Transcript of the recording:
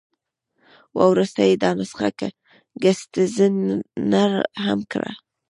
وروسته یې دا نسخه ګسټتنر هم کړه.